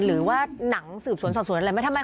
หรือว่าหนังสืบสวนสอบสวนอะไรไหม